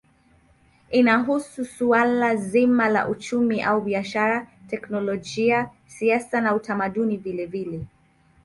Inahusu suala zima la uchumi au biashara, teknolojia, siasa na utamaduni vilevile.